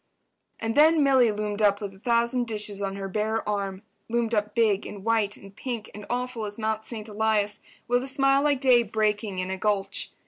And then Milly loomed up with a thousand dishes on her bare arm—loomed up big and white and pink and awful as Mount Saint Elias—with a smile like day breaking in a gulch.